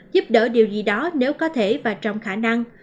giúp đỡ điều gì đó nếu có thể và trong khả năng